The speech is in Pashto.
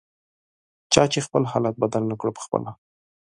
چا چې خپل حالت بدل نکړ پخپله